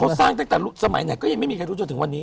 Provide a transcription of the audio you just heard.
เขาสร้างตั้งแต่สมัยไหนก็ยังไม่มีใครรู้จนถึงวันนี้